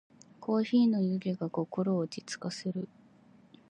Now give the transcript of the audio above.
コーヒーの湯気が心を落ち着かせる。